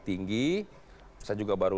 tinggi saya juga baru